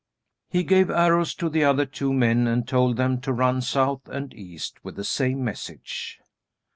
He gave arrows to the other two men and told them to run south and east with the same message.